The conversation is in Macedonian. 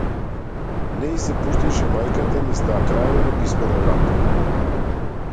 Не и се пушташе мајката низ таа крајно неписмена врата.